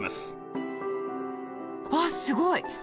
あっすごい！